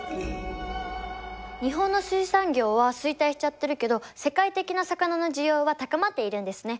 日本の水産業は衰退しちゃってるけど世界的な魚の需要は高まっているんですね。